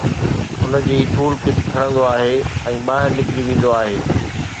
هن جي tool kit کڻندو آهي ۽ ٻاهر نڪري ويندو آهي